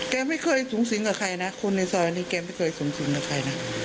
แกไม่เคยสูงสิงกับใครนะคนในซอยนี้แกไม่เคยสูงสิงกับใครนะ